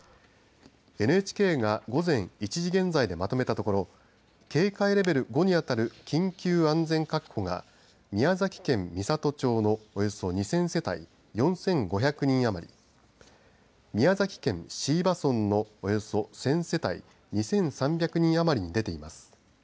ＮＨＫが午前１時現在でまとめたところ警戒レベル５に当たる緊急安全確保が宮崎県美郷町のおよそ２０００世帯４５００人余り宮崎県椎葉村のおよそ１０００世帯２３００人余りに出ています。